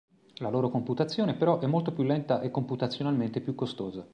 La loro computazione, però, è molto più lenta e computazionalmente più costosa.